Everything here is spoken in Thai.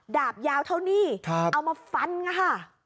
ดาบยาวเท่านี้เอามาฟันค่ะ